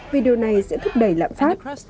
video này sẽ thúc đẩy lạm phát